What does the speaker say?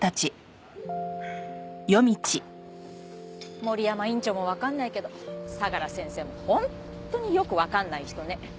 森山院長もわかんないけど相良先生も本当によくわかんない人ね。